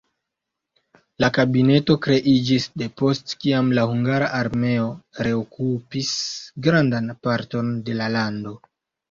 La kabineto kreiĝis depost kiam la hungara armeo reokupis grandan parton de la lando.